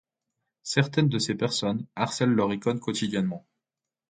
Certaines de ces personnes harcèlent leur icône quotidiennement.